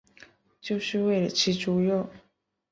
就是为了吃猪肉